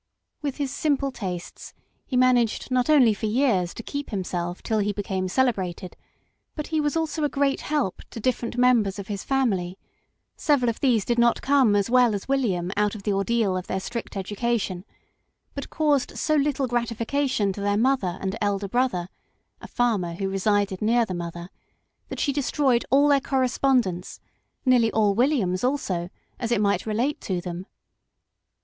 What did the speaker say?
With his simple tastes he managed not only for years to keep himself till he became celebrated, but he was also a great help to different members of his family; several of these did not come as well as William out of the ordeal of their strict education, but caused so little gratification to their mother and elder brother a farmer who resided near the mother that she destroyed all their corre spondence, nearly all William's also, as it might relate to them.